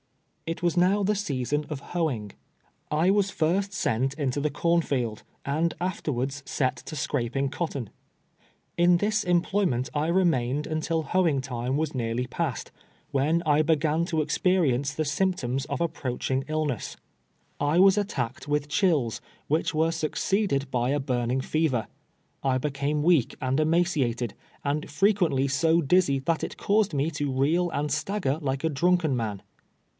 It was now the season of hoeing. I was first sent APPKOACHING ILLNESS. 177 into the corn field, and after^vards set to scraping cot ton. In tills employment I remained nntil hoeing time was nearly passed, when I began to experience the symptoms of approaching illness. I was attacked with chills, which were succeeded by a burning fever. I became weak and emaciated, and frequently so diz zy that it caused rae to reel and stagger like a drunk en man.